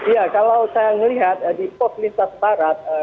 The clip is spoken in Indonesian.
ya kalau saya melihat di pos lintas barat